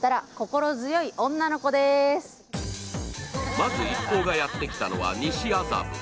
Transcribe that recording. まず一行がやってきたのは西麻布。